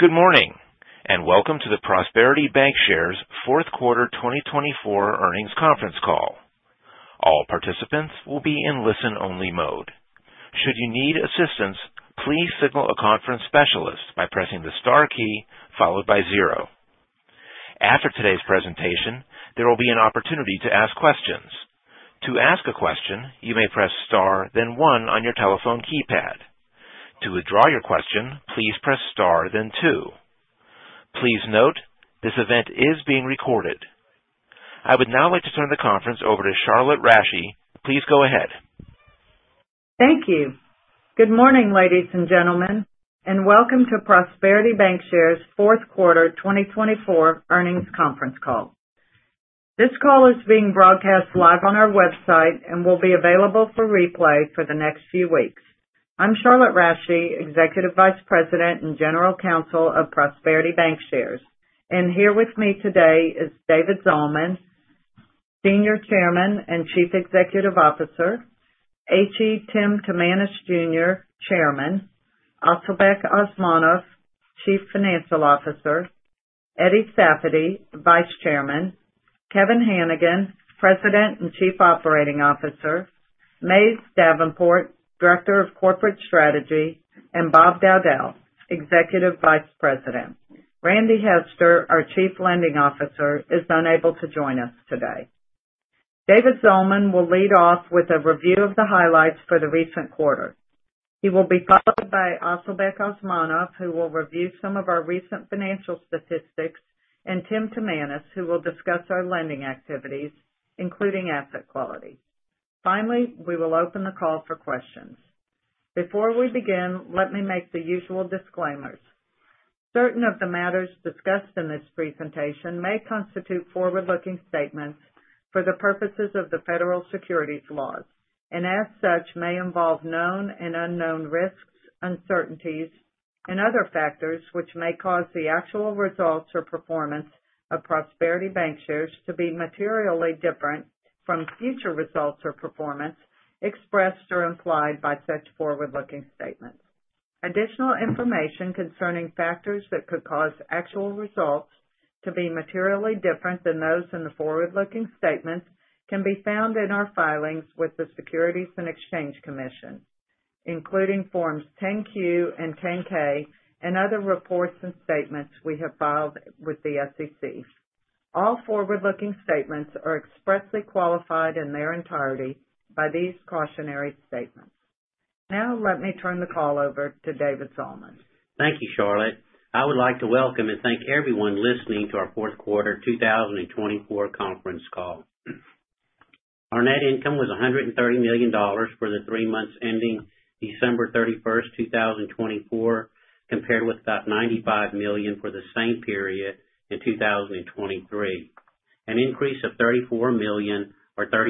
Good morning, and welcome to the Prosperity Bancshares Fourth Quarter 2024 earnings conference call. All participants will be in listen-only mode. Should you need assistance, please signal a conference specialist by pressing the star key followed by zero. After today's presentation, there will be an opportunity to ask questions. To ask a question, you may press star, then one on your telephone keypad. To withdraw your question, please press star, then two. Please note, this event is being recorded. I would now like to turn the conference over to Charlotte Rasche. Please go ahead. Thank you. Good morning, ladies and gentlemen, and welcome to Prosperity Bancshares Fourth Quarter 2024 earnings conference call. This call is being broadcast live on our website and will be available for replay for the next few weeks. I'm Charlotte Rasche, Executive Vice President and General Counsel of Prosperity Bancshares, and here with me today is David Zalman, Senior Chairman and Chief Executive Officer, H.E. Tim Timanus Jr., Chairman, Asylbek Osmani, Chief Financial Officer, Eddie Safady, Vice Chairman, Kevin Hanigan, President and Chief Operating Officer, Mays Davenport, Director of Corporate Strategy, and Bob Dowdell, Executive Vice President. Randy Hester, our Chief Lending Officer, is unable to join us today. David Zalman will lead off with a review of the highlights for the recent quarter. He will be followed by Asylbek Osmani, who will review some of our recent financial statistics, and Tim Timanus, who will discuss our lending activities, including asset quality. Finally, we will open the call for questions. Before we begin, let me make the usual disclaimers. Certain of the matters discussed in this presentation may constitute forward-looking statements for the purposes of the federal securities laws and, as such, may involve known and unknown risks, uncertainties, and other factors which may cause the actual results or performance of Prosperity Bancshares to be materially different from future results or performance expressed or implied by such forward-looking statements. Additional information concerning factors that could cause actual results to be materially different than those in the forward-looking statements can be found in our filings with the Securities and Exchange Commission, including Forms 10-Q and 10-K and other reports and statements we have filed with the SEC. All forward-looking statements are expressly qualified in their entirety by these cautionary statements. Now, let me turn the call over to David Zalman. Thank you, Charlotte. I would like to welcome and thank everyone listening to our Fourth Quarter 2024 conference call. Our net income was $130 million for the three months ending December 31, 2024, compared with about $95 million for the same period in 2023, an increase of $34 million, or 36%.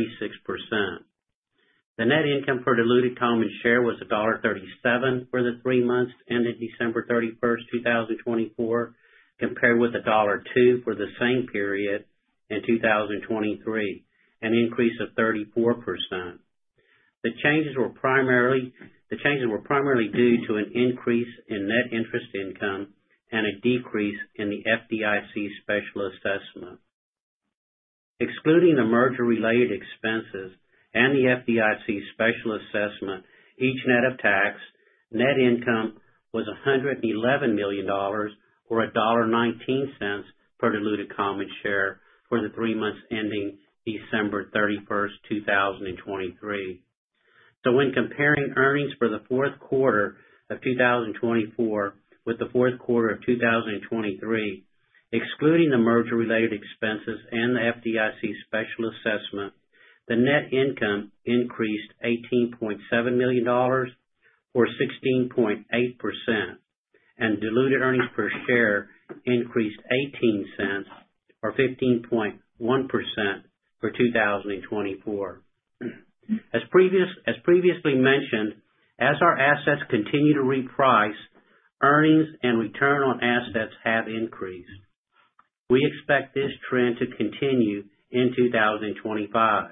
The net income for diluted common share net income per diluted common share was $1.37 for the three months ending December 31, 2024, compared with $1.02 for the same period in 2023, an increase of 34%. The changes were primarily due to an increase in net interest income and a decrease in the FDIC special assessment. Excluding the merger-related expenses and the FDIC special assessment, each net of tax, net income was $111 million, or $1.19 per diluted common share for the three months ending December 31, 2023. When comparing earnings for the fourth quarter of 2024 with the fourth quarter of 2023, excluding the merger-related expenses and the FDIC special assessment, the net income increased $18.7 million, or 16.8%, and diluted earnings per share increased $0.18, or 15.1%, for 2024. As previously mentioned, as our assets continue to reprice, earnings and return on assets have increased. We expect this trend to continue in 2025.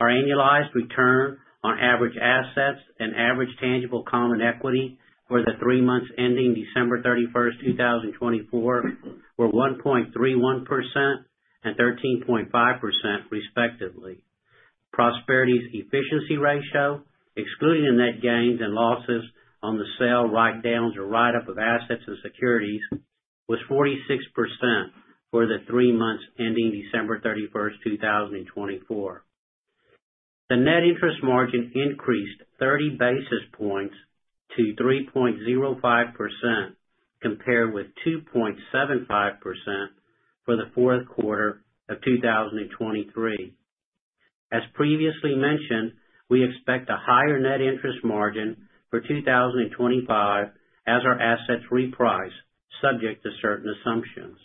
Our annualized return on average assets and average tangible common equity for the three months ending December 31, 2024, were 1.31% and 13.5%, respectively. Prosperity's efficiency ratio, excluding the net gains and losses on the sale, write-downs, or write-up of assets and securities, was 46% for the three months ending December 31, 2024. The net interest margin increased 30 basis points to 3.05%, compared with 2.75% for the fourth quarter of 2023. As previously mentioned, we expect a higher net interest margin for 2025 as our assets reprice, subject to certain assumptions.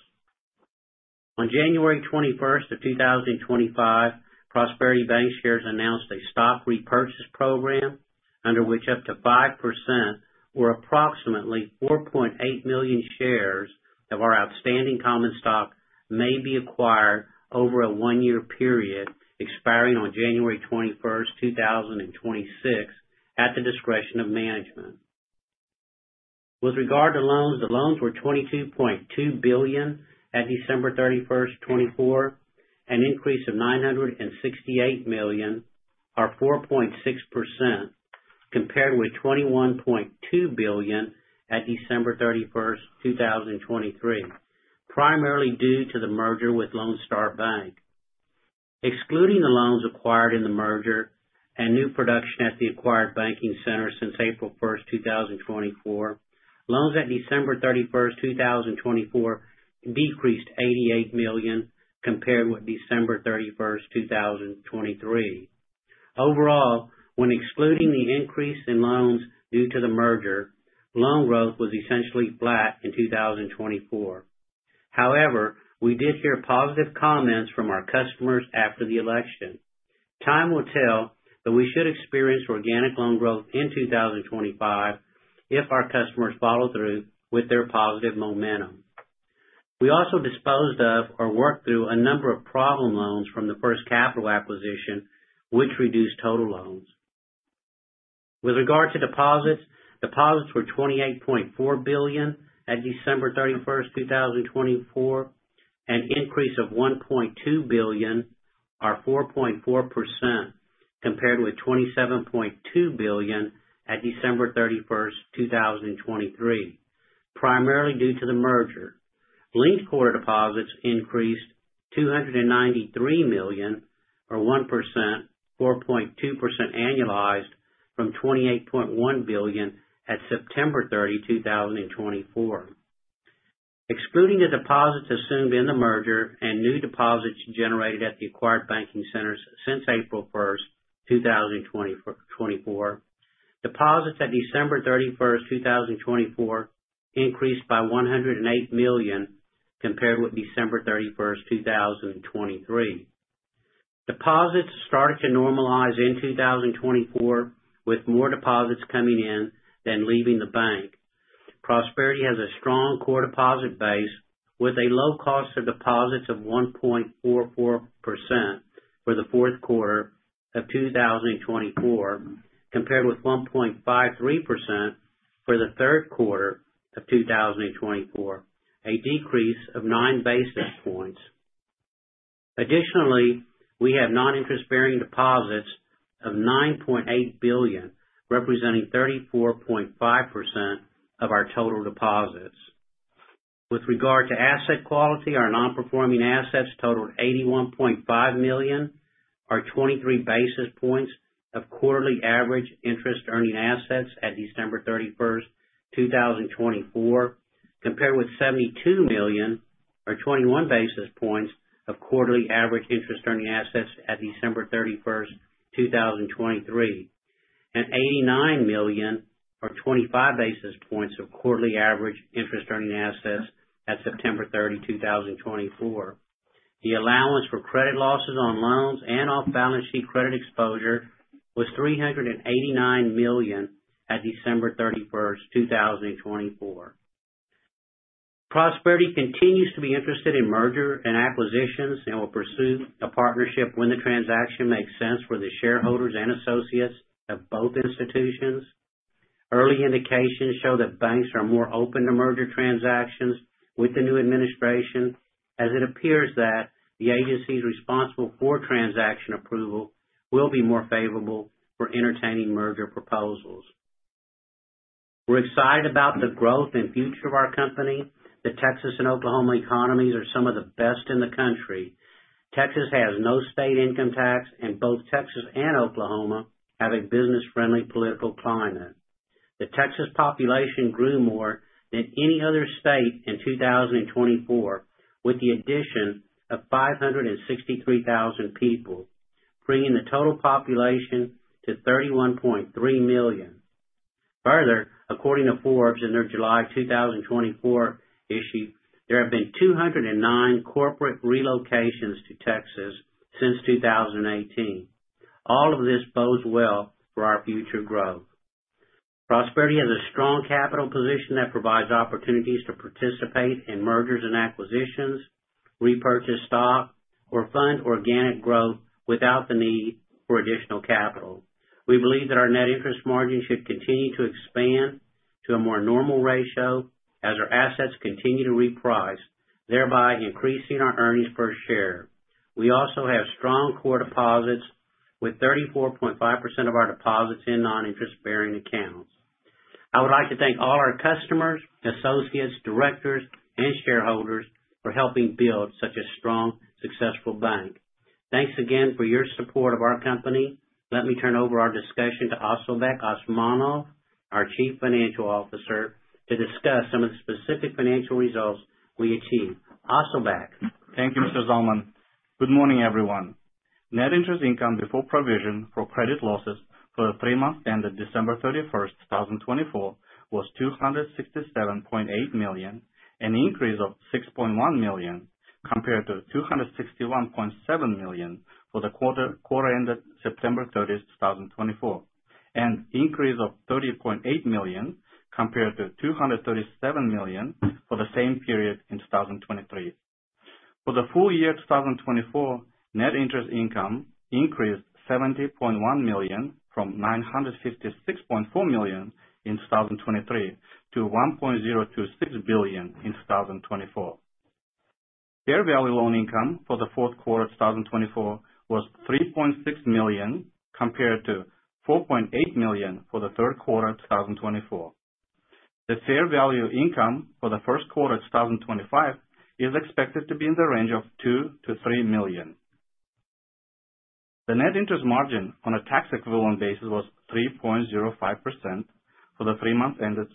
On January 21, 2025, Prosperity Bancshares announced a stock repurchase program under which up to 5%, or approximately 4.8 million shares of our outstanding common stock, may be acquired over a one-year period expiring on January 21, 2026, at the discretion of management. With regard to loans, the loans were $22.2 billion at December 31, 2024, an increase of $968 million, or 4.6%, compared with $21.2 billion at December 31, 2023, primarily due to the merger with Lone Star Bank. Excluding the loans acquired in the merger and new production at the Acquired Banking Center since April 1, 2024, loans at December 31, 2024, decreased $88 million, compared with December 31, 2023. Overall, when excluding the increase in loans due to the merger, loan growth was essentially flat in 2024. However, we did hear positive comments from our customers after the election. Time will tell, but we should experience organic loan growth in 2025 if our customers follow through with their positive momentum. We also disposed of or worked through a number of problem loans from the First Capital acquisition, which reduced total loans. With regard to deposits, deposits were $28.4 billion at December 31, 2024, an increase of $1.2 billion, or 4.4%, compared with $27.2 billion at December 31, 2023, primarily due to the merger. Linked quarter deposits increased $293 million, or 1%, 4.2% annualized from $28.1 billion at September 30, 2024. Excluding the deposits assumed in the merger and new deposits generated at the Acquired Banking Centers since April 1, 2024, deposits at December 31, 2024, increased by $108 million, compared with December 31, 2023. Deposits started to normalize in 2024, with more deposits coming in than leaving the bank. Prosperity has a strong core deposit base with a low cost of deposits of 1.44% for the fourth quarter of 2024, compared with 1.53% for the third quarter of 2024, a decrease of 9 basis points. Additionally, we have non-interest-bearing deposits of $9.8 billion, representing 34.5% of our total deposits. With regard to asset quality, our non-performing assets totaled $81.5 million, or 23 basis points of quarterly average interest-earning assets at December 31, 2024, compared with $72 million, or 21 basis points of quarterly average interest-earning assets at December 31, 2023, and $89 million, or 25 basis points of quarterly average interest-earning assets at September 30, 2024. The allowance for credit losses on loans and off-balance sheet credit exposure was $389 million at December 31, 2024. Prosperity continues to be interested in merger and acquisitions and will pursue a partnership when the transaction makes sense for the shareholders and associates of both institutions. Early indications show that banks are more open to merger transactions with the new administration, as it appears that the agencies responsible for transaction approval will be more favorable for entertaining merger proposals. We're excited about the growth and future of our company. The Texas and Oklahoma economies are some of the best in the country. Texas has no state income tax, and both Texas and Oklahoma have a business-friendly political climate. The Texas population grew more than any other state in 2024, with the addition of 563,000 people, bringing the total population to 31.3 million. Further, according to Forbes in their July 2024 issue, there have been 209 corporate relocations to Texas since 2018. All of this bodes well for our future growth. Prosperity has a strong capital position that provides opportunities to participate in mergers and acquisitions, repurchase stock, or fund organic growth without the need for additional capital. We believe that our net interest margin should continue to expand to a more normal ratio as our assets continue to reprice, thereby increasing our earnings per share. We also have strong core deposits, with 34.5% of our deposits in non-interest-bearing accounts. I would like to thank all our customers, associates, directors, and shareholders for helping build such a strong, successful bank. Thanks again for your support of our company. Let me turn over our discussion to Asylbek Osmani, our Chief Financial Officer, to discuss some of the specific financial results we achieved. Asylbek. Thank you, Mr. Zalman. Good morning, everyone. Net interest income before provision for credit losses for the three months ended December 31, 2024, was $267.8 million, an increase of $6.1 million compared to $261.7 million for the quarter ended September 30, 2024, and an increase of $30.8 million compared to $237 million for the same period in 2023. For the full year 2024, net interest income increased $70.1 million from $956.4 million in 2023 to $1.026 billion in 2024. Fair value loan income for the fourth quarter of 2024 was $3.6 million compared to $4.8 million for the third quarter of 2024. The fair value income for the first quarter of 2025 is expected to be in the range of $2 million to $3 million. The net interest margin on a tax-equivalent basis was 3.05% for the three months ended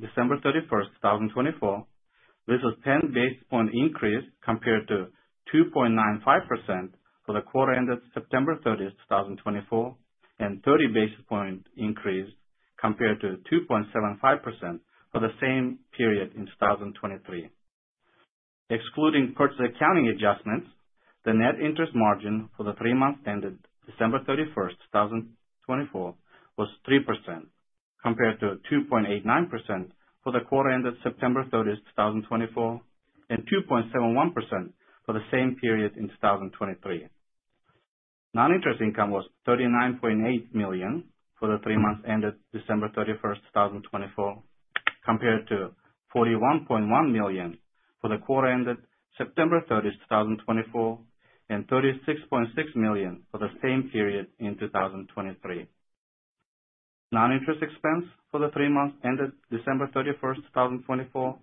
December 31, 2024. This was a 10 basis point increase compared to 2.95% for the quarter ended September 30, 2024, and a 30 basis point increase compared to 2.75% for the same period in 2023. Excluding purchase accounting adjustments, the net interest margin for the three months ended December 31, 2024, was 3%, compared to 2.89% for the quarter ended September 30, 2024, and 2.71% for the same period in 2023. Non-interest income was $39.8 million for the three months ended December 31, 2024, compared to $41.1 million for the quarter ended September 30, 2024, and $36.6 million for the same period in 2023. Non-interest expense for the three months ended December 31, 2024,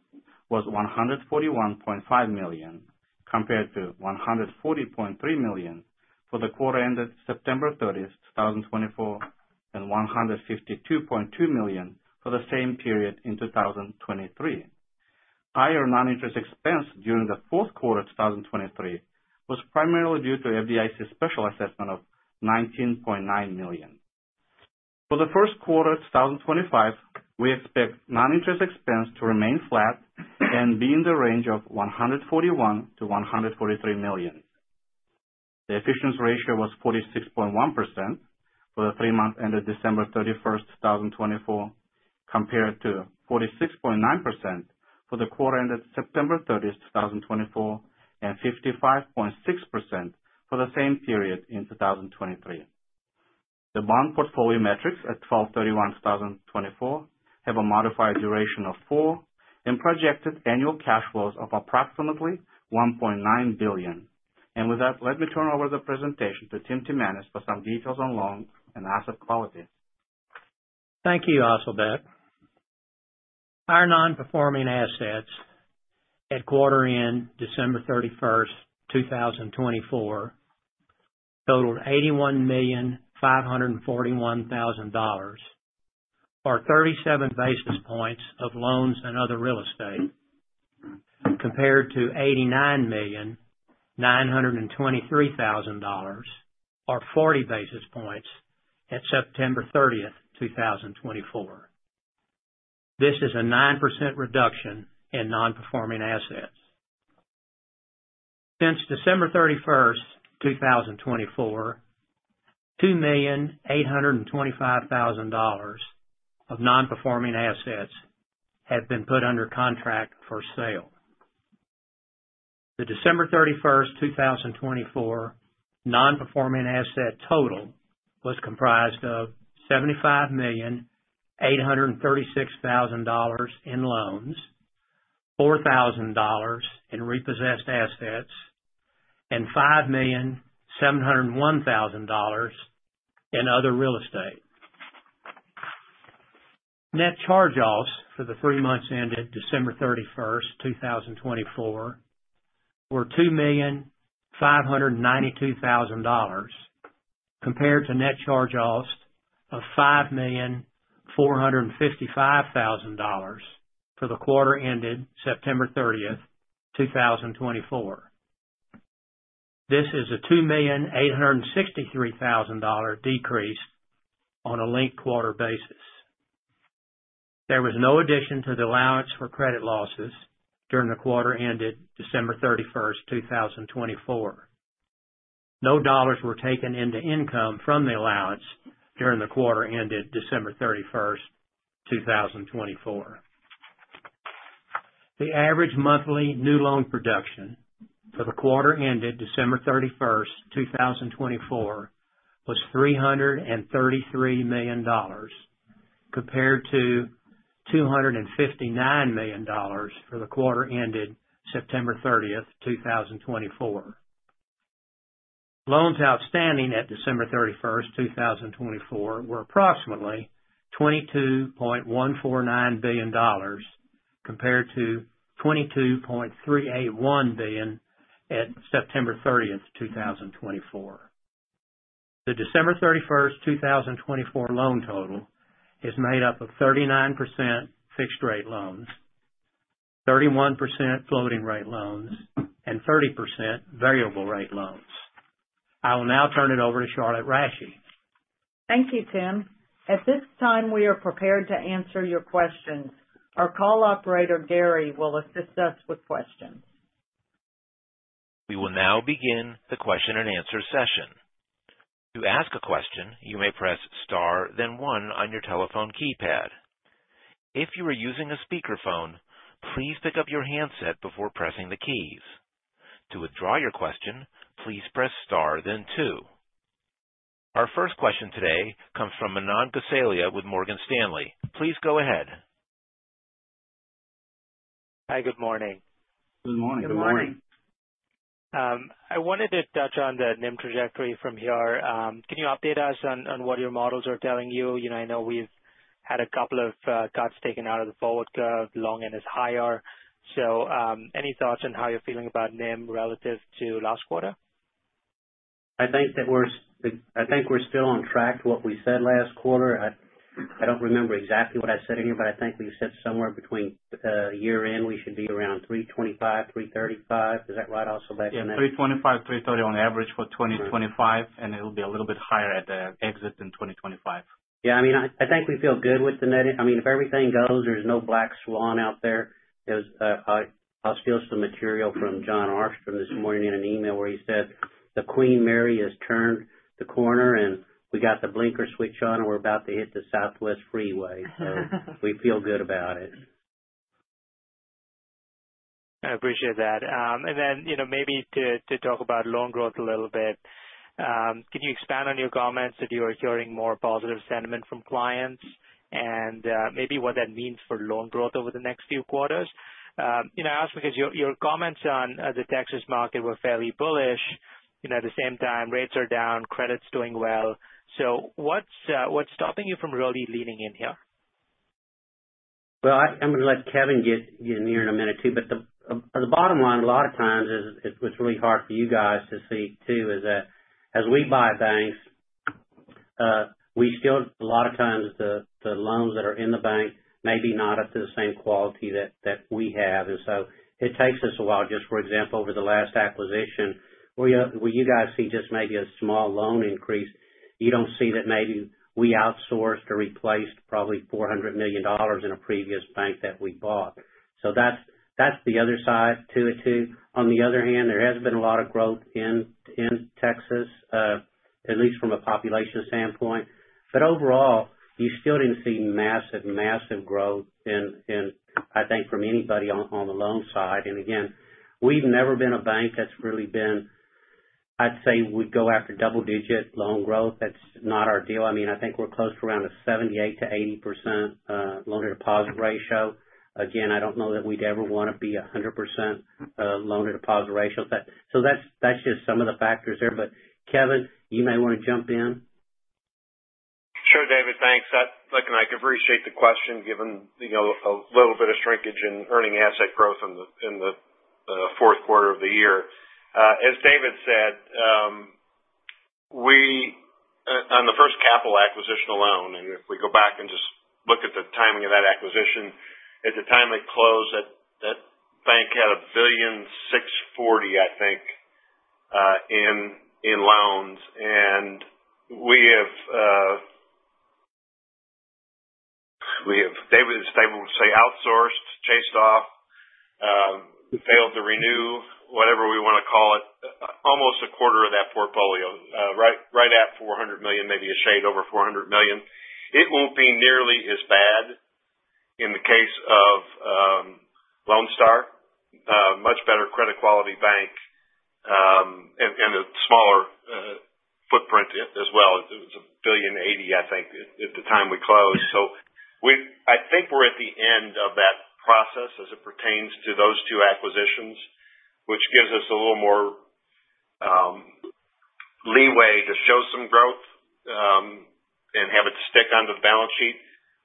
was $141.5 million compared to $140.3 million for the quarter ended September 30, 2024, and $152.2 million for the same period in 2023. Higher non-interest expense during the fourth quarter of 2023 was primarily due to FDIC special assessment of $19.9 million. For the first quarter of 2025, we expect non-interest expense to remain flat and be in the range of $141 million-$143 million. The efficiency ratio was 46.1% for the three months ended December 31, 2024, compared to 46.9% for the quarter ended September 30, 2024, and 55.6% for the same period in 2023. The bond portfolio metrics at 12/31/2024 have a modified duration of four and projected annual cash flows of approximately $1.9 billion. And with that, let me turn over the presentation to Tim Timanus for some details on loans and asset quality. Thank you, Asylbek. Our non-performing assets at quarter end December 31, 2024, totaled $81,541,000 or 37 basis points of loans and other real estate, compared to $89,923,000 or 40 basis points at September 30, 2024. This is a 9% reduction in non-performing assets. Since December 31, 2024, $2,825,000 of non-performing assets have been put under contract for sale. The December 31, 2024, non-performing asset total was comprised of $75,836,000 in loans, $4,000 in repossessed assets, and $5,701,000 in other real estate. Net charge-offs for the three months ended December 31, 2024, were $2,592,000 compared to net charge-offs of $5,455,000 for the quarter ended September 30, 2024. This is a $2,863,000 decrease on a linked quarter basis. There was no addition to the allowance for credit losses during the quarter ended December 31, 2024. No dollars were taken into income from the allowance during the quarter ended December 31, 2024. The average monthly new loan production for the quarter ended December 31, 2024, was $333 million, compared to $259 million for the quarter ended September 30, 2024. Loans outstanding at December 31, 2024, were approximately $22.149 billion, compared to $22.381 billion at September 30, 2024. The December 31, 2024, loan total is made up of 39% fixed-rate loans, 31% floating-rate loans, and 30% variable-rate loans. I will now turn it over to Charlotte Rasche. Thank you, Tim. At this time, we are prepared to answer your questions. Our call operator, Gary, will assist us with questions. We will now begin the question-and-answer session. To ask a question, you may press star, then one on your telephone keypad. If you are using a speakerphone, please pick up your handset before pressing the keys. To withdraw your question, please press star, then two. Our first question today comes from Manan Gosalia with Morgan Stanley. Please go ahead. Hi. Good morning. Good morning. Good morning. I wanted to touch on the NIM trajectory from here. Can you update us on what your models are telling you? I know we've had a couple of cuts taken out of the forward curve. Long end is higher. So any thoughts on how you're feeling about NIM relative to last quarter? I think that we're still on track to what we said last quarter. I don't remember exactly what I said in here, but I think we said somewhere between year-end, we should be around 325, 335. Is that right, Asylbek? Yeah, 325-330 on average for 2025, and it'll be a little bit higher at the exit in 2025. Yeah. I mean, I think we feel good with the net. I mean, if everything goes, there's no black swan out there. I was sent some material from Jon Arfstrom this morning in an email where he said, "The Queen Mary has turned the corner, and we got the blinker switch on, and we're about to hit the Southwest Freeway." So we feel good about it. I appreciate that. And then maybe to talk about loan growth a little bit, can you expand on your comments that you are hearing more positive sentiment from clients and maybe what that means for loan growth over the next few quarters? I ask because your comments on the Texas market were fairly bullish. At the same time, rates are down, credits doing well. So what's stopping you from really leaning in here? I'm going to let Kevin get in here in a minute too, but the bottom line, a lot of times, what's really hard for you guys to see too is that as we buy banks, we still, a lot of times, the loans that are in the bank may be not up to the same quality that we have, and so it takes us a while. Just for example, over the last acquisition, where you guys see just maybe a small loan increase, you don't see that maybe we outsourced or replaced probably $400 million in a previous bank that we bought, so that's the other side to it too. On the other hand, there has been a lot of growth in Texas, at least from a population standpoint, but overall, you still didn't see massive, massive growth, I think, from anybody on the loan side. Again, we've never been a bank that's really been. I'd say we'd go after double-digit loan growth. That's not our deal. I mean, I think we're close to around a 78%-80% loan-to-deposit ratio. Again, I don't know that we'd ever want to be 100% loan-to-deposit ratio. So that's just some of the factors there. But Kevin, you may want to jump in. Sure, David. Thanks. Look, and I appreciate the question given a little bit of shrinkage in earning asset growth in the fourth quarter of the year. As David said, on the First Capital acquisition alone, and if we go back and just look at the timing of that acquisition, at the time it closed, that bank had $1.640 billion, I think, in loans. And we have, David is able to say, outsourced, chased off, failed to renew, whatever we want to call it, almost a quarter of that portfolio, right at $400 million, maybe a shade over $400 million. It won't be nearly as bad in the case of Lone Star, much better credit quality bank, and a smaller footprint as well. It was $1.080 billion, I think, at the time we closed. So I think we're at the end of that process as it pertains to those two acquisitions, which gives us a little more leeway to show some growth and have it stick onto the balance sheet.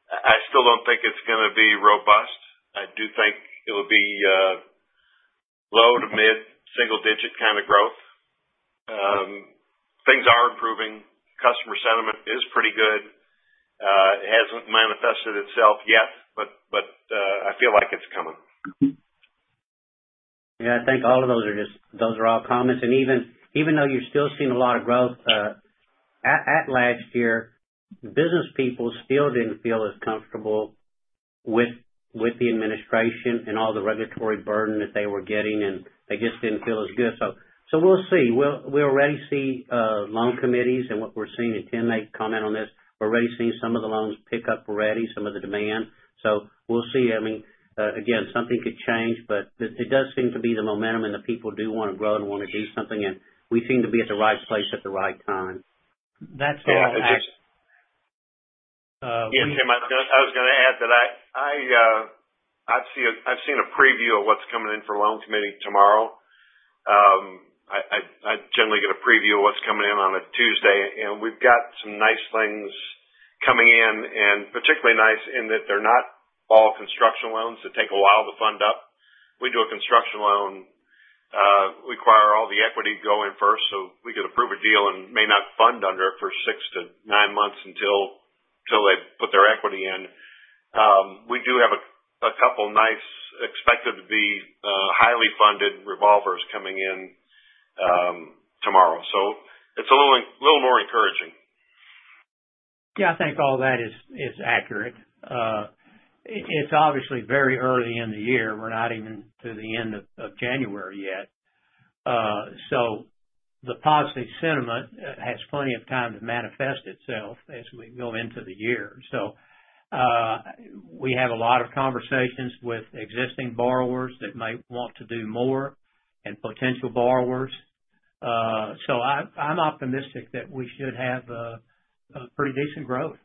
I still don't think it's going to be robust. I do think it will be low to mid single-digit kind of growth. Things are improving. Customer sentiment is pretty good. It hasn't manifested itself yet, but I feel like it's coming. Yeah. I think all of those are just, those are all comments. And even though you're still seeing a lot of growth at last year, business people still didn't feel as comfortable with the administration and all the regulatory burden that they were getting, and they just didn't feel as good. So we'll see. We already see loan committees, and what we're seeing, and Tim may comment on this, we're already seeing some of the loans pick up already, some of the demand. So we'll see. I mean, again, something could change, but it does seem to be the momentum and the people do want to grow and want to do something. And we seem to be at the right place at the right time. That's all I have. Yeah, Tim, I was going to add that I've seen a preview of what's coming in for loan committee tomorrow. I generally get a preview of what's coming in on a Tuesday, and we've got some nice things coming in, and particularly nice in that they're not all construction loans. They take a while to fund up. We do a construction loan, require all the equity to go in first, so we could approve a deal and may not fund under it for six to nine months until they put their equity in. We do have a couple nice expected to be highly funded revolvers coming in tomorrow, so it's a little more encouraging. Yeah. I think all that is accurate. It's obviously very early in the year. We're not even to the end of January yet. So the positive sentiment has plenty of time to manifest itself as we go into the year. So we have a lot of conversations with existing borrowers that might want to do more and potential borrowers. So I'm optimistic that we should have pretty decent growth.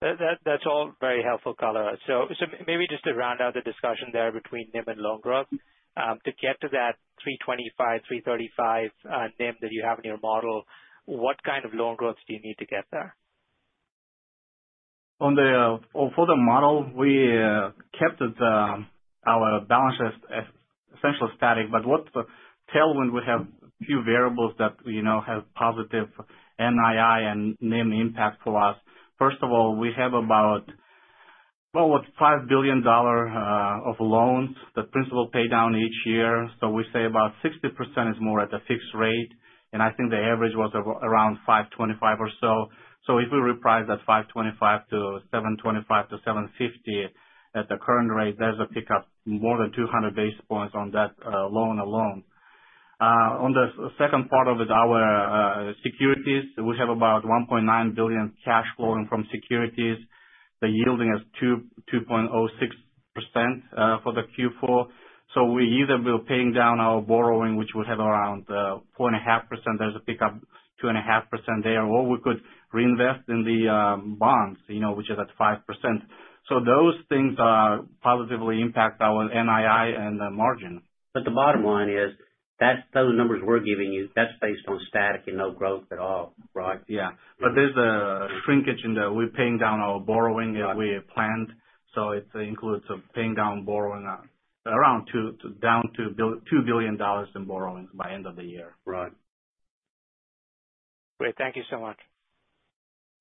That's all very helpful, Colorado. So maybe just to round out the discussion there between NIM and loan growth, to get to that 325-335 NIM that you have in your model, what kind of loan growth do you need to get there? For the model, we kept our balance sheet essentially static, but what tells when we have a few variables that have positive NII and NIM impact for us. First of all, we have about, well, what, $5 billion of loans that principal pay down each year. So we say about 60% is more at the fixed rate. And I think the average was around 525 or so. So if we reprice that 525 to 725 to 750 at the current rate, there's a pickup more than 200 basis points on that loan alone. On the second part of it, our securities, we have about $1.9 billion cash flowing from securities. The yielding is 2.06% for the Q4. So we either will pay down our borrowing, which would have around 4.5%. There's a pickup 2.5% there. Or we could reinvest in the bonds, which is at 5%. So those things positively impact our NII and the margin. But the bottom line is those numbers we're giving you, that's based on static and no growth at all, right? Yeah, but there's a shrinkage, and we're paying down our borrowing that we planned, so it includes paying down borrowing down to $2 billion of borrowing by end of the year. Right. Thank you so much.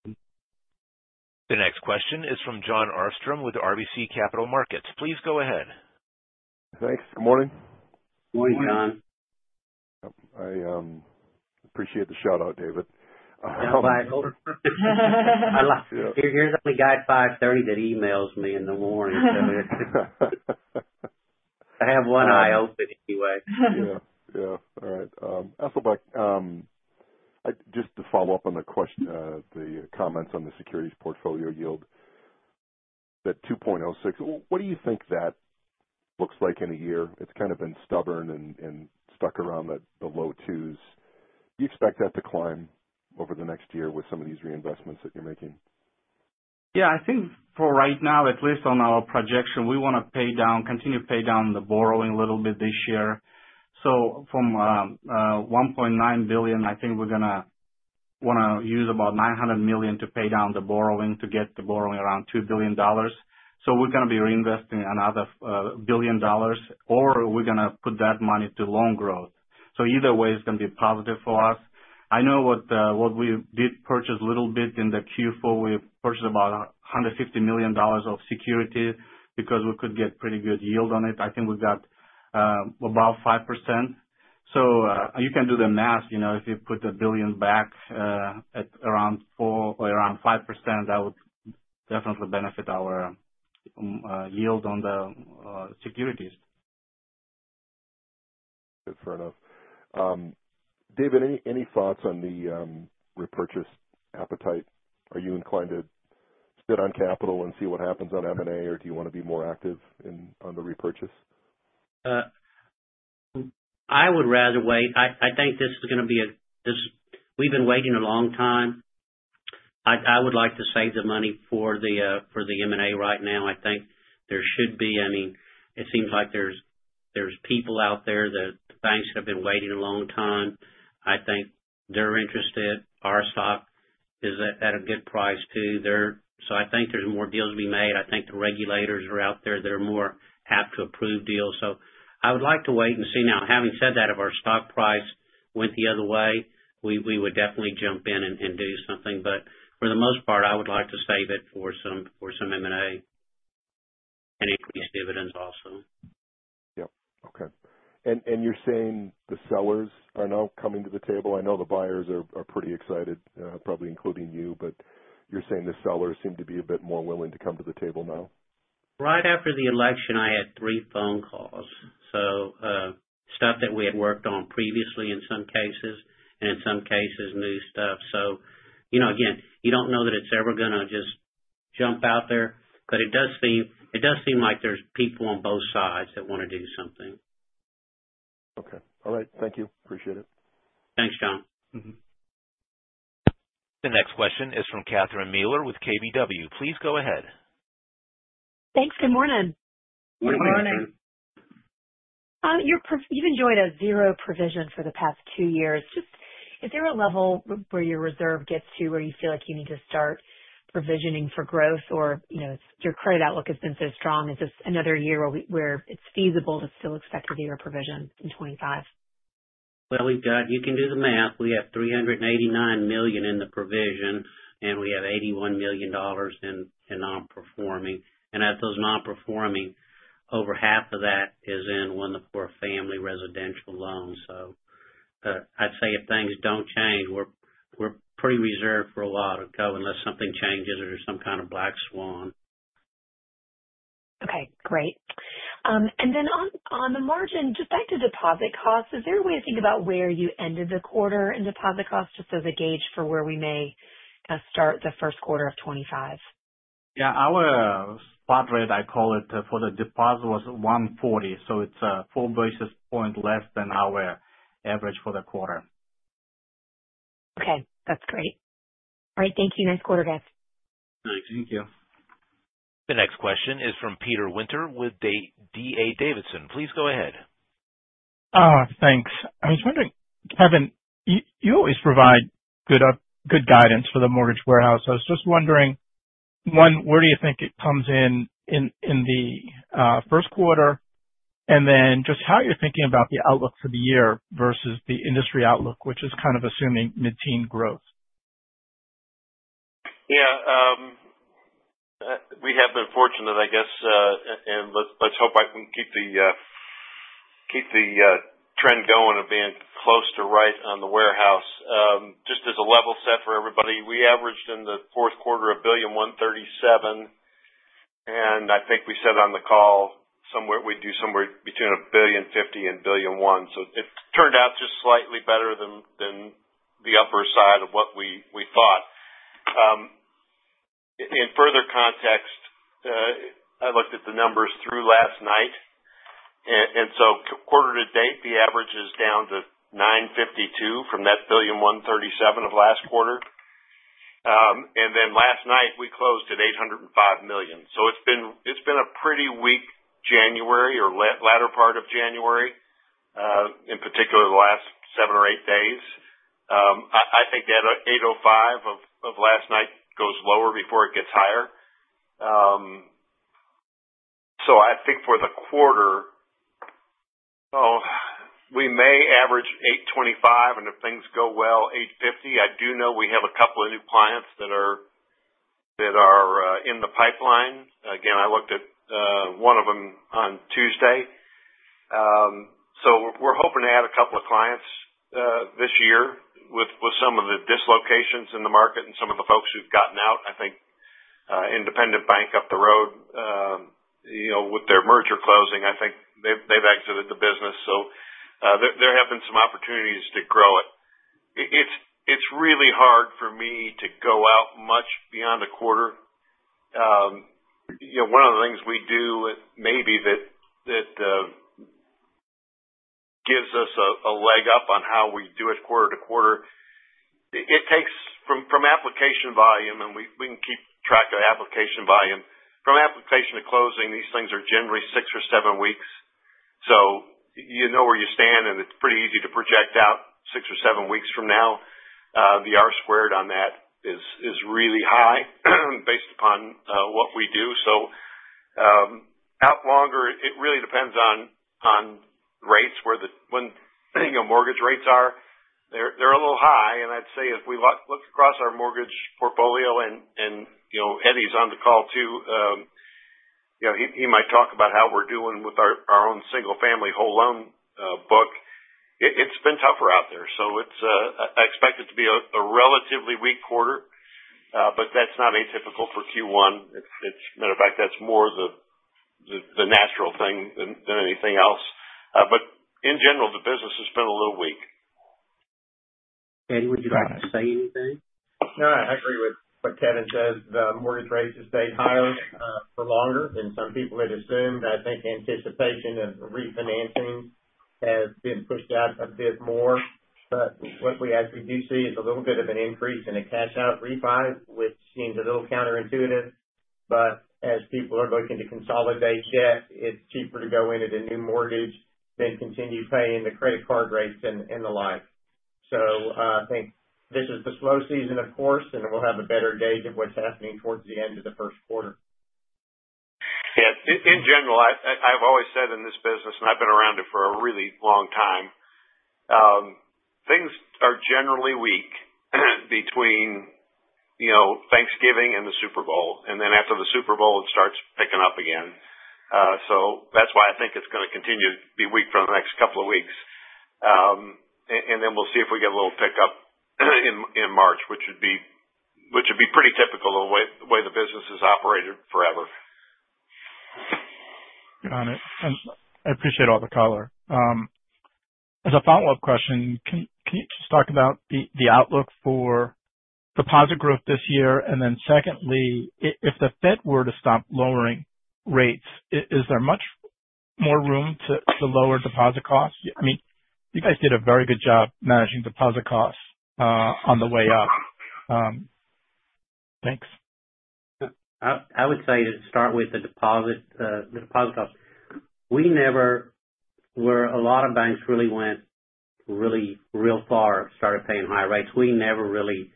The next question is from Jon Arfstrom with RBC Capital Markets. Please go ahead. Thanks. Good morning. Morning, John. Yep. I appreciate the shout-out, David. Yeah. Here's my guy at 5:30 A.M. that emails me in the morning. I have one eye open anyway. Yeah. Yeah. All right. Just to follow up on the comments on the securities portfolio yield at 2.06, what do you think that looks like in a year? It's kind of been stubborn and stuck around the low twos. Do you expect that to climb over the next year with some of these reinvestments that you're making? Yeah. I think for right now, at least on our projection, we want to continue pay down the borrowing a little bit this year. So from $1.9 billion, I think we're going to want to use about $900 million to pay down the borrowing to get the borrowing around $2 billion. So we're going to be reinvesting another $1 billion, or we're going to put that money to loan growth. So either way, it's going to be positive for us. I know what we did purchase a little bit in the Q4. We purchased about $150 million of security because we could get pretty good yield on it. I think we got about 5%. So you can do the math. If you put the billion back at around 4% or around 5%, that would definitely benefit our yield on the securities. Good enough. David, any thoughts on the repurchase appetite? Are you inclined to sit on capital and see what happens on M&A, or do you want to be more active on the repurchase? I would rather wait. I think this is going to be. We've been waiting a long time. I would like to save the money for the M&A right now. I think there should be, I mean, it seems like there's people out there, the banks that have been waiting a long time. I think they're interested. Our stock is at a good price too. So I think there's more deals to be made. I think the regulators are out there that are more apt to approve deals. So I would like to wait and see. Now, having said that, if our stock price went the other way, we would definitely jump in and do something. But for the most part, I would like to save it for some M&A and increase dividends also. Yep. Okay. And you're saying the sellers are now coming to the table? I know the buyers are pretty excited, probably including you, but you're saying the sellers seem to be a bit more willing to come to the table now? Right after the election, I had three phone calls. So stuff that we had worked on previously in some cases, and in some cases, new stuff. So again, you don't know that it's ever going to just jump out there, but it does seem like there's people on both sides that want to do something. Okay. All right. Thank you. Appreciate it. Thanks, John. The next question is from Catherine Mealor with KBW. Please go ahead. Thanks. Good morning. Good morning. You've enjoyed a zero provision for the past two years. Is there a level where your reserve gets to where you feel like you need to start provisioning for growth, or your credit outlook has been so strong? Is this another year where it's feasible to still expect a zero provision in 2025? We've got—you can do the math. We have $389 million in the provision, and we have $81 million in non-performing. And of those non-performing, over half of that is in 1-4 family residential loans. So I'd say if things don't change, we're pretty reserved for a lot to go unless something changes or there's some kind of black swan. Okay. Great. And then on the margin, just back to deposit costs, is there a way to think about where you ended the quarter in deposit costs just as a gauge for where we may kind of start the first quarter of 2025? Yeah. Our spot rate, I call it, for the deposit was 140. So it's 4 basis points less than our average for the quarter. Okay. That's great. All right. Thank you. Nice quarter, guys. Thanks. Thank you. The next question is from Peter Winter with D.A. Davidson. Please go ahead. Thanks. I was wondering, Kevin, you always provide good guidance for the mortgage warehouse. I was just wondering, one, where do you think it comes in in the first quarter, and then just how you're thinking about the outlook for the year versus the industry outlook, which is kind of assuming mid-teen growth? Yeah. We have been fortunate, I guess, and let's hope we can keep the trend going of being close to right on the warehouse. Just as a level set for everybody, we averaged in the fourth quarter $1.137 billion. And I think we said on the call somewhere we'd do somewhere between $1.05 billion and $1.1 billion. So it turned out just slightly better than the upper side of what we thought. In further context, I looked at the numbers through last night. Ye Yeah. We have been fortunate, I guess, and let's hope we can keep the trend going of being close to right on the warehouse. Just as a level set for everybody, we averaged in the fourth quarter $1.137 billion. And I think we said on the call somewhere we'd do somewhere between $1.05 billion and $1.1 billion. So it turned out just slightly better than the upper side of what we thought. In further context, I looked at the numbers through last night. And so quarter to date, the average is down to $952 million from that $1.137 billion of last quarter. And then last night, we closed at $805 million. So it's been a pretty weak January or latter part of January, in particular the last seven or eight days. I think that $805 million of last night goes lower before it gets higher. So I think for the quarter, we may average $825 million, and if things go well, $850 million. I do know we have a couple of new clients that are in the pipeline. Again, I looked at one of them on Tuesday. So we're hoping to add a couple of clients this year with some of the dislocations in the market and some of the folks who've gotten out. I think Independent Bank up the road with their merger closing, I think they've exited the business. So there have been some opportunities to grow it. It's really hard for me to go out much beyond a quarter. One of the things we do maybe that gives us a leg up on how we do it quarter to quarter, it takes from application volume, and we can keep track of application volume. From application to closing, these things are generally six or seven weeks. So you know where you stand, and it's pretty easy to project out six or seven weeks from now. The R-squared on that is really high based upon what we do. So out longer, it really depends on rates where the mortgage rates are. They're a little high. And I'd say if we look across our mortgage portfolio, and Eddie's on the call too, he might talk about how we're doing with our own single-family whole loan book. It's been tougher out there. So I expect it to be a relatively weak quarter, but that's not atypical for Q1. As a matter of fact, that's more the natural thing than anything else. But in general, the business has been a little weak. Eddie, would you like to say anything? No, I agree with what Kevin says. The mortgage rates have stayed higher for longer than some people had assumed. I think anticipation of refinancing has been pushed out a bit more, but what we actually do see is a little bit of an increase in a cash-out refi, which seems a little counterintuitive, but as people are looking to consolidate debt, it's cheaper to go into the new mortgage than continue paying the credit card rates and the like, so I think this is the slow season, of course, and we'll have a better gauge of what's happening towards the end of the first quarter. Yeah. In general, I've always said in this business, and I've been around it for a really long time, things are generally weak between Thanksgiving and the Super Bowl, and then after the Super Bowl, it starts picking up again. So that's why I think it's going to continue to be weak for the next couple of weeks. And then we'll see if we get a little pickup in March, which would be pretty typical of the way the business has operated forever. Got it. And I appreciate all the color. As a follow-up question, can you just talk about the outlook for deposit growth this year? And then secondly, if the Fed were to stop lowering rates, is there much more room to lower deposit costs? I mean, you guys did a very good job managing deposit costs on the way up. Thanks. I would say to start with the deposit costs, we never were where a lot of banks really went real far, started paying high rates. We never really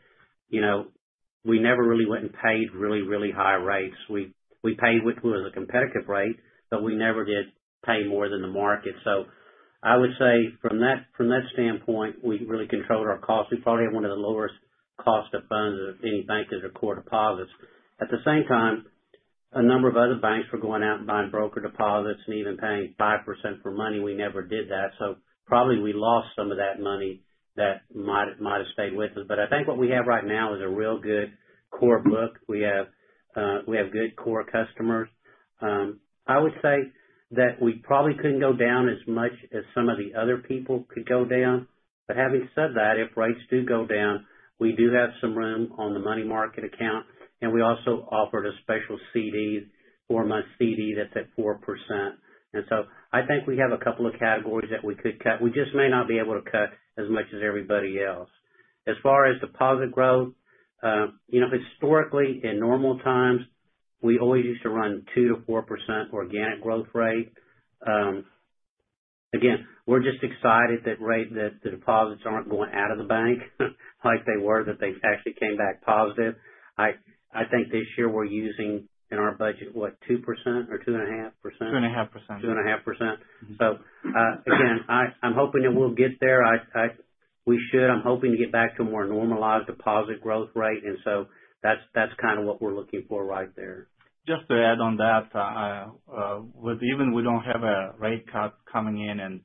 went and paid really high rates. We paid what was a competitive rate, but we never did pay more than the market. So I would say from that standpoint, we really controlled our costs. We probably have one of the lowest costs of funds of any bank as core deposits. At the same time, a number of other banks were going out and buying broker deposits and even paying 5% for money. We never did that. So probably we lost some of that money that might have stayed with us. But I think what we have right now is a real good core book. We have good core customers. I would say that we probably couldn't go down as much as some of the other people could go down. But having said that, if rates do go down, we do have some room on the money market account. And we also offered a special CD, four-month CD that's at 4%. And so I think we have a couple of categories that we could cut. We just may not be able to cut as much as everybody else. As far as deposit growth, historically, in normal times, we always used to run 2%-4% organic growth rate. Again, we're just excited that the deposits aren't going out of the bank like they were, that they actually came back positive. I think this year we're using in our budget, what, 2% or 2.5%? 2.5%. 2.5%. So again, I'm hoping that we'll get there. We should. I'm hoping to get back to a more normalized deposit growth rate. And so that's kind of what we're looking for right there. Just to add on that, even we don't have a rate cut coming in,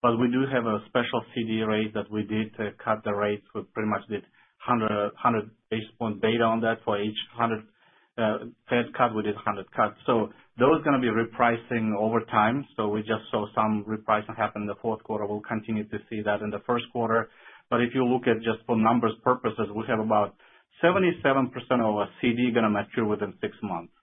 but we do have a special CD rate that we did to cut the rates. We pretty much did 100 basis point delta on that. For each 100 Fed cut, we did 100 cuts, so those are going to be repricing over time, so we just saw some repricing happen in the fourth quarter. We'll continue to see that in the first quarter, but if you look at just for numbers purposes, we have about 77% of our CD going to mature within six months,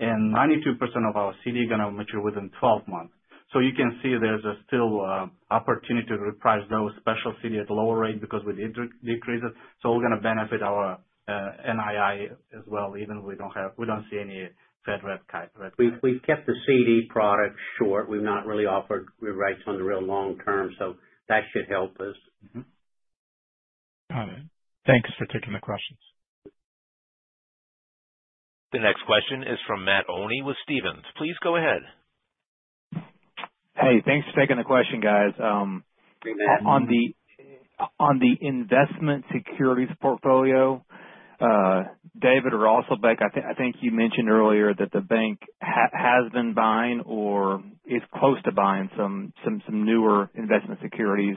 and 92% of our CD going to mature within 12 months. So you can see there's still opportunity to reprice those special CD at lower rate because we did decrease it, so we're going to benefit our NII as well, even we don't see any Fed rate cut. We've kept the CD product short. We've not really offered rates on the real long term, so that should help us. Got it. Thanks for taking the questions. The next question is from Matt Olney with Stephens. Please go ahead. Hey, thanks for taking the question, guys. On the investment securities portfolio, David or Asylbek, I think you mentioned earlier that the bank has been buying or is close to buying some newer investment securities.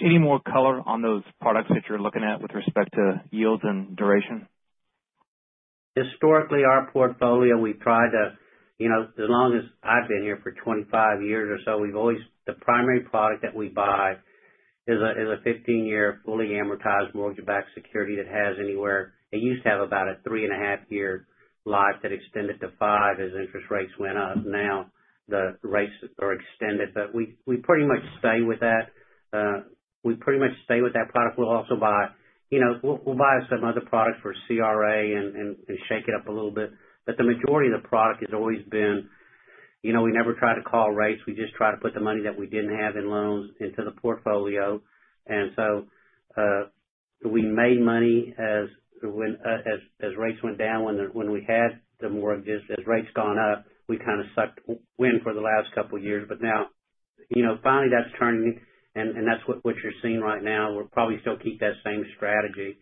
Any more color on those products that you're looking at with respect to yields and duration? Historically, our portfolio, we've tried to—as long as I've been here for 25 years or so—the primary product that we buy is a 15-year fully amortized mortgage-backed security that has anywhere from a three-and-a-half-year life that extended to five as interest rates went up. Now the rates are extended, but we pretty much stay with that product. We'll also buy some other products for CRA and shake it up a little bit. But the majority of the product has always been we never tried to call rates. We just tried to put the money that we didn't have in loans into the portfolio. And so we made money as rates went down. When we had the mortgages, as rates gone up, we kind of sucked wind for the last couple of years. But now, finally, that's turning, and that's what you're seeing right now. We'll probably still keep that same strategy.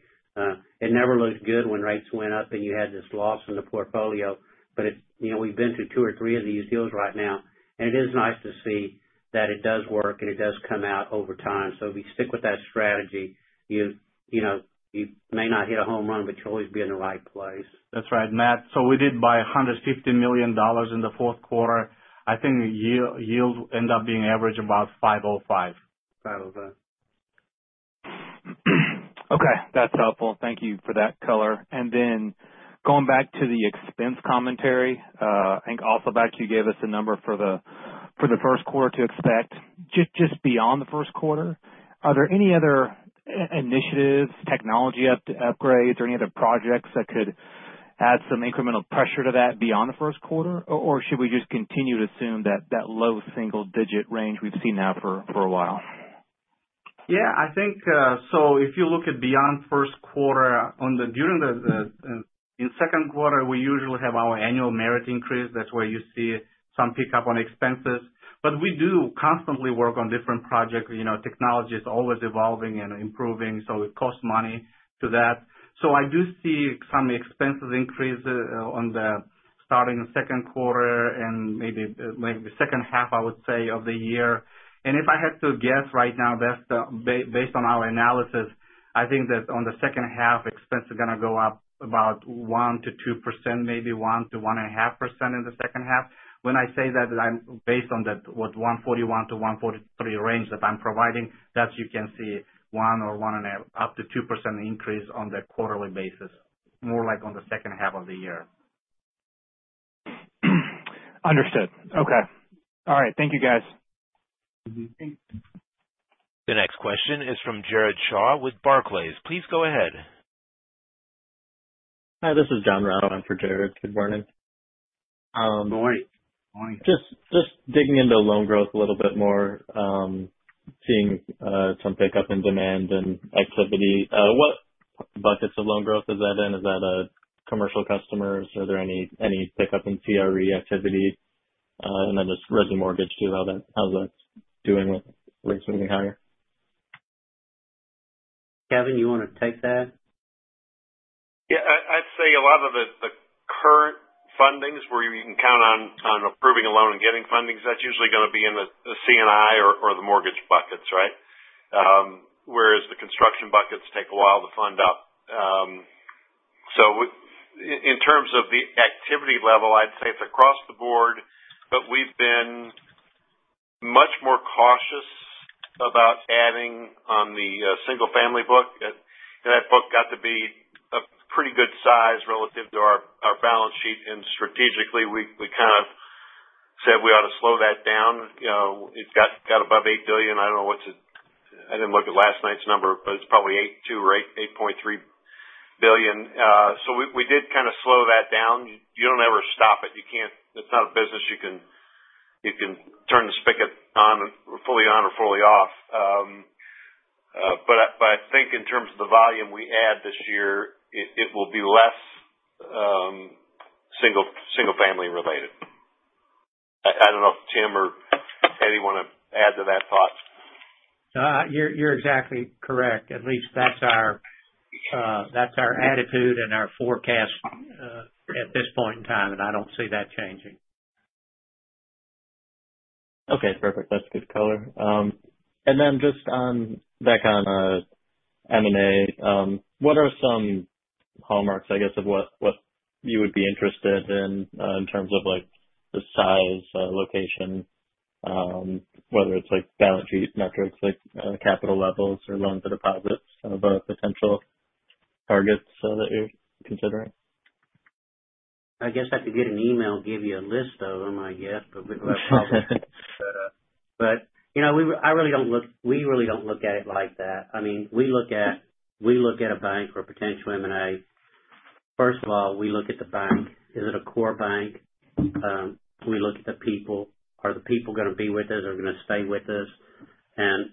It never looked good when rates went up and you had this loss in the portfolio, but we've been through two or three of these deals right now. And it is nice to see that it does work and it does come out over time. So if you stick with that strategy, you may not hit a home run, but you'll always be in the right place. That's right. Matt, so we did buy $150 million in the fourth quarter. I think yields end up being average about 505. 505. Okay. That's helpful. Thank you for that color. And then going back to the expense commentary, I think also back you gave us a number for the first quarter to expect. Just beyond the first quarter, are there any other initiatives, technology upgrades, or any other projects that could add some incremental pressure to that beyond the first quarter? Or should we just continue to assume that low single-digit range we've seen now for a while? Yeah. So if you look at beyond first quarter, during the second quarter, we usually have our annual merit increase. That's where you see some pickup on expenses. But we do constantly work on different projects. Technology is always evolving and improving, so it costs money to that, so I do see some expenses increase on the starting second quarter and maybe second half, I would say, of the year, and if I had to guess right now, based on our analysis, I think that on the second half, expenses are going to go up about 1%-2%, maybe 1%-1.5% in the second half. When I say that, I'm based on what 141-143 range that I'm providing. That's you can see 1 or 1 and a half up to 2% increase on the quarterly basis, more like on the second half of the year. Understood. Okay. All right. Thank you, guys. The next question is from Jared Shaw with Barclays. Please go ahead. Hi, this is John Rowell. I'm for Jared. Good morning. Good morning. Just digging into loan growth a little bit more, seeing some pickup in demand and activity. What buckets of loan growth is that in? Is that commercial customers? Are there any pickup in CRE activity? And then just residential mortgage too. How's that doing with rates moving higher? Kevin, you want to take that? Yeah. I'd say a lot of the current fundings where you can count on approving a loan and getting funding, that's usually going to be in the C&I or the mortgage buckets, right? Whereas the construction buckets take a while to fund up. So in terms of the activity level, I'd say it's across the board, but we've been much more cautious about adding on the single-family book. That book got to be a pretty good size relative to our balance sheet. Strategically, we kind of said we ought to slow that down. It got above $8 billion. I don't know, I didn't look at last night's number, but it's probably $8.2 billion or $8.3 billion. We did kind of slow that down. You don't ever stop it. It's not a business you can turn the spigot fully on or fully off. But I think in terms of the volume we add this year, it will be less single-family related. I don't know if Tim or Eddie want to add to that thought. You're exactly correct. At least that's our attitude and our forecast at this point in time, and I don't see that changing. Okay. Perfect. That's good color. And then just back on M&A, what are some hallmarks, I guess, of what you would be interested in in terms of the size, location, whether it's balance sheet metrics, capital levels, or loans and deposits, some of the potential targets that you're considering? I guess I could get an email, give you a list of them, I guess, but I really don't. We really don't look at it like that. I mean, we look at a bank or a potential M&A. First of all, we look at the bank. Is it a core bank? We look at the people. Are the people going to be with us? Are they going to stay with us? And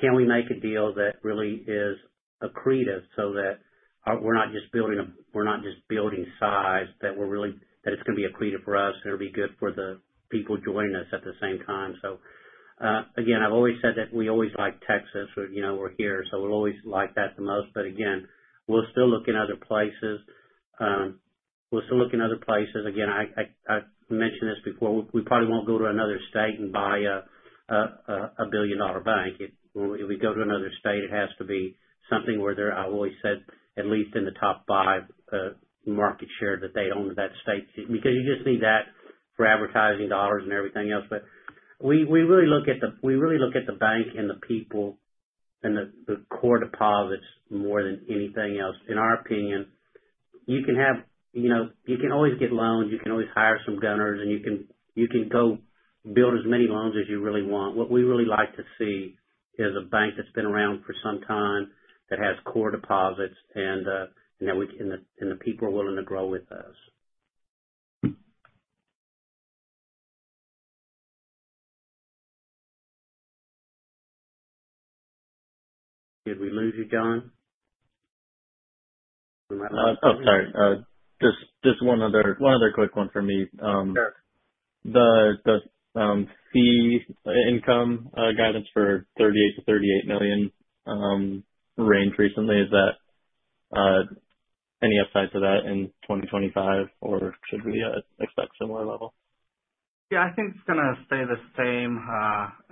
can we make a deal that really is accretive so that we're not just building size, that it's going to be accretive for us and it'll be good for the people joining us at the same time? So again, I've always said that we always like Texas, or we're here, so we'll always like that the most. But again, we'll still look in other places. We'll still look in other places. Again, I mentioned this before. We probably won't go to another state and buy a billion-dollar bank. If we go to another state, it has to be something where they're. I've always said, at least in the top five market share that they own that state because you just need that for advertising dollars and everything else. But we really look at the bank and the people and the core deposits more than anything else. In our opinion, you can always get loans. You can always hire some gunners, and you can go build as many loans as you really want. What we really like to see is a bank that's been around for some time that has core deposits and that the people are willing to grow with us. Did we lose you, John? We might lose you. Oh, sorry. Just one other quick one from me. The fee income guidance for $38 million-$38 million range recently. Is there any upside to that in 2025, or should we expect similar level? Yeah. I think it's going to stay the same.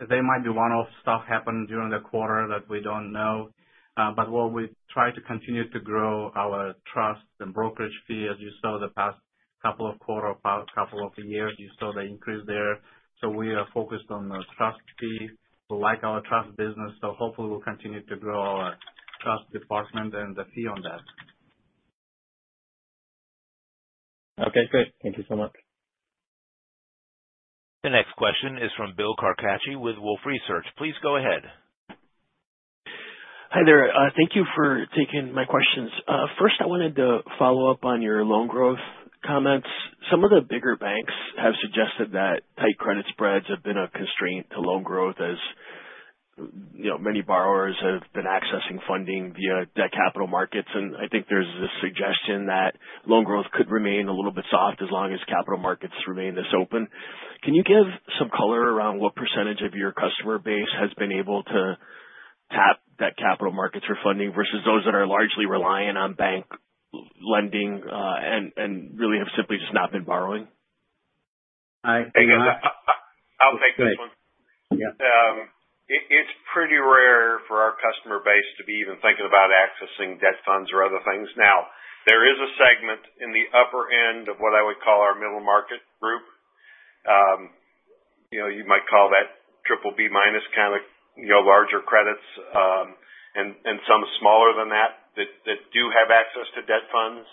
There might be one-off stuff happen during the quarter that we don't know. But we'll try to continue to grow our trust and brokerage fee. As you saw the past couple of quarters, couple of years, you saw the increase there. So we are focused on the trust fee. We like our trust business. So hopefully, we'll continue to grow our trust department and the fee on that. Okay. Great. Thank you so much. The next question is from Bill Carcache with Wolfe Research. Please go ahead. Hi there. Thank you for taking my questions. First, I wanted to follow up on your loan growth comments. Some of the bigger banks have suggested that tight credit spreads have been a constraint to loan growth as many borrowers have been accessing funding via debt capital markets, and I think there's this suggestion that loan growth could remain a little bit soft as long as capital markets remain this open. Can you give some color around what percentage of your customer base has been able to tap that capital markets for funding versus those that are largely reliant on bank lending and really have simply just not been borrowing? I'll take this one. It's pretty rare for our customer base to be even thinking about accessing debt funds or other things. Now, there is a segment in the upper end of what I would call our middle market group. You might call that BBB- kind of larger credits and some smaller than that that do have access to debt funds.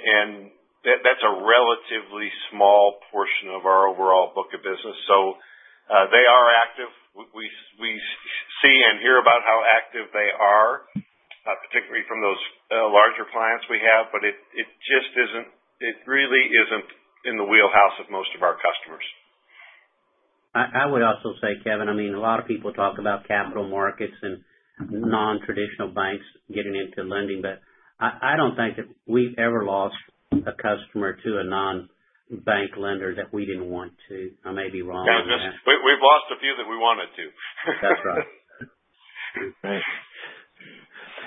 And that's a relatively small portion of our overall book of business. So they are active. We see and hear about how active they are, particularly from those larger clients we have. But it just isn't, it really isn't in the wheelhouse of most of our customers. I would also say, Kevin, I mean, a lot of people talk about capital markets and non-traditional banks getting into lending. But I don't think that we've ever lost a customer to a non-bank lender that we didn't want to. I may be wrong. We've lost a few that we wanted to. That's right.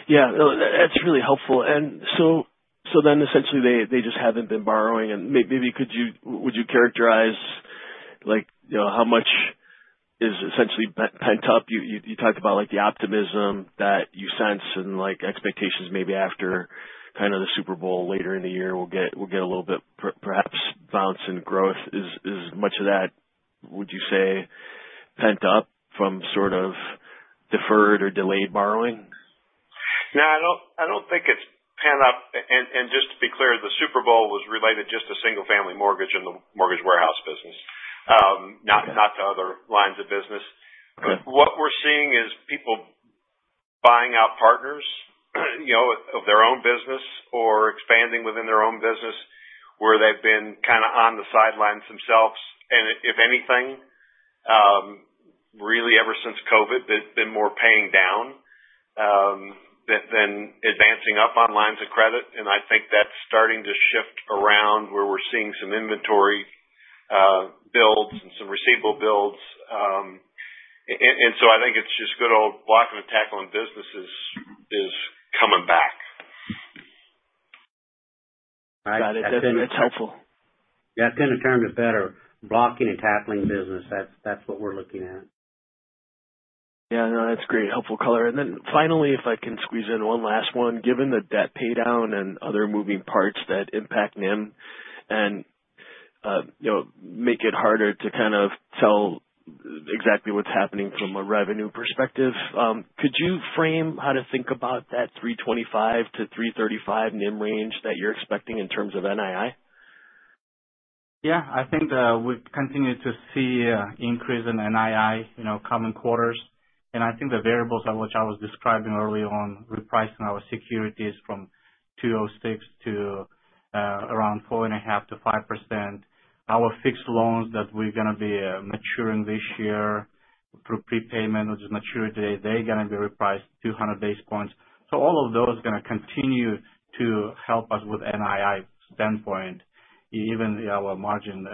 Yeah. That's really helpful. And so then, essentially, they just haven't been borrowing. And maybe would you characterize how much is essentially pent up? You talked about the optimism that you sense and expectations maybe after kind of the Super Bowl later in the year we'll get a little bit perhaps bounce in growth. Is much of that, would you say, pent up from sort of deferred or delayed borrowing? No, I don't think it's pent up, and just to be clear, the Super Bowl was related just to single-family mortgage and the mortgage warehouse business, not to other lines of business. What we're seeing is people buying out partners of their own business or expanding within their own business where they've been kind of on the sidelines themselves, and if anything, really ever since COVID, they've been more paying down than advancing up on lines of credit, and I think that's starting to shift around where we're seeing some inventory builds and some receivable builds, and so I think it's just good old blocking and tackling businesses is coming back. All right. It's helpful. Yeah. Tim and turn is better. Blocking and tackling business, that's what we're looking at. Yeah. No, that's great. Helpful color. And then finally, if I can squeeze in one last one, given the debt paydown and other moving parts that impact NIM and make it harder to kind of tell exactly what's happening from a revenue perspective, could you frame how to think about that 325-335 NIM range that you're expecting in terms of NII? Yeah. I think we continue to see an increase in NII coming quarters. And I think the variables which I was describing early on, repricing our securities from 2.06% to around 4.5%-5%, our fixed loans that we're going to be maturing this year through prepayment or just maturity, they're going to be repriced 200 basis points. So all of those are going to continue to help us with NII standpoint, even our margin,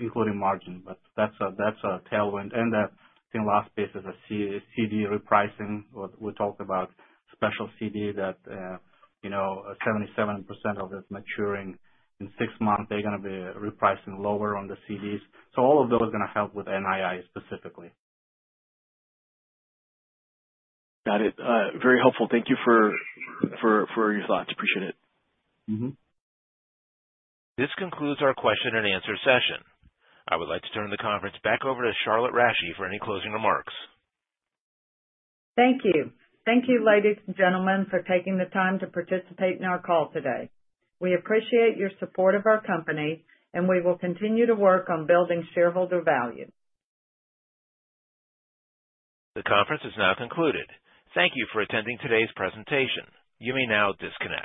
including margin. But that's a tailwind. And I think last piece is the CD repricing. We talked about special CD that 77% of it's maturing in six months. They're going to be repricing lower on the CDs. So all of those are going to help with NII specifically. Got it. Very helpful. Thank you for your thoughts. Appreciate it. This concludes our question and answer session. I would like to turn the conference back over to Charlotte Rasche for any closing remarks. Thank you. Thank you, ladies and gentlemen, for taking the time to participate in our call today. We appreciate your support of our company, and we will continue to work on building shareholder value. The conference is now concluded. Thank you for attending today's presentation. You may now disconnect.